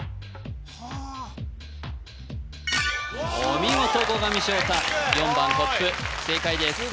お見事後上翔太４番コップ正解です